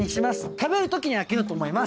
食べる時に開けようと思います。